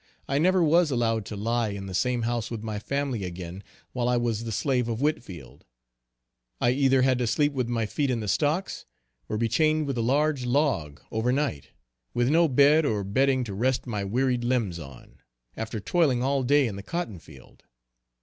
I never was allowed to lie in the same house with my family again while I was the slave of Whitfield. I either had to sleep with my feet in the stocks, or be chained with a large log chain to a log over night, with no bed or bedding to rest my wearied limbs on, after toiling all day in the cotton field.